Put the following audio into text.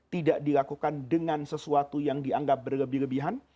tidak dilakukan dengan sesuatu yang dianggap berlebihan